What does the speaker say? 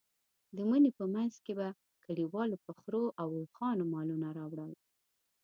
د مني په منځ کې به کلیوالو په خرو او اوښانو مالونه راوړل.